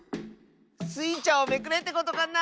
スイちゃんをめくれってことかな